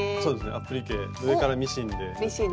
アップリケ上からミシンで縫って。